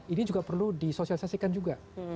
ini juga perlu disosialisasikan juga